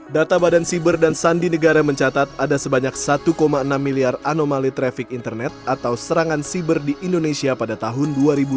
data badan siber dan sandi negara mencatat ada sebanyak satu enam miliar anomali trafik internet atau serangan siber di indonesia pada tahun dua ribu dua puluh